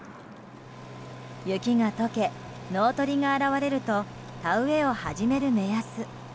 雪が解け、農鳥が現れると田植えを始める目安。